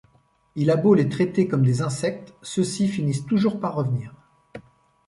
Il a beau les traiter comme des insectes, ceux-ci finissent toujours par revenir.